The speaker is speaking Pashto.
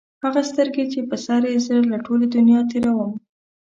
هغه سترګي چې په سر یې زه له ټولي دنیا تېر وم